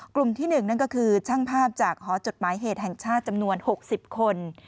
กลุ่มที่๑นั่นก็คือช่างภาพจากหอจดหมายเหตุแห่งชาติจำนวน๖๐คน